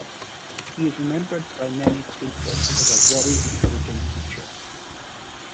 He is remembered by many painters as a very encouraging teacher.